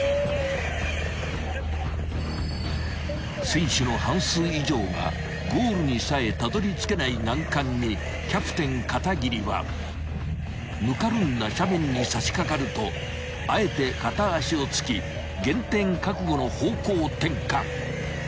［選手の半数以上がゴールにさえたどりつけない難関にキャプテン片桐はぬかるんだ斜面にさしかかるとあえて片足をつき減点覚悟の方向転換］